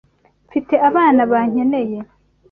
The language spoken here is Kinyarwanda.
Mfite abana bankeneye.